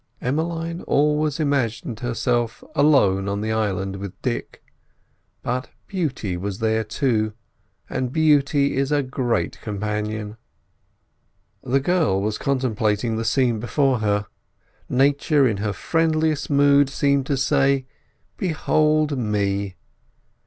Emmeline always imagined herself alone on the island with Dick, but beauty was there, too, and beauty is a great companion. The girl was contemplating the scene before her. Nature in her friendliest mood seemed to say, "Behold me!